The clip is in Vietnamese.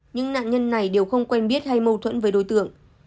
những nạn nhân này đều không quen biết hay mâu thuẫn với đối tượng